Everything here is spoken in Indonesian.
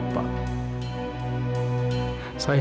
bukan juga take